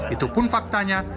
itu pun faktanya